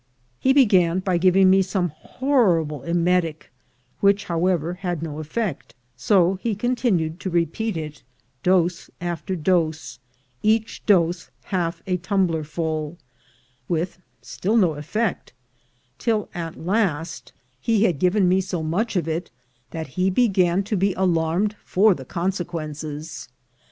He began by giving me some horrible emetic, which, however, had no effect; so he continued to repeat it, dose after dose, each dose half a tumbler ful, with still no effect, till, at last, he had given me 46 THE GOLD HUNTERS so much of it, that he began to be alarmed for the consequences.